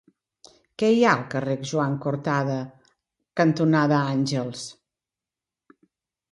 Què hi ha al carrer Joan Cortada cantonada Àngels?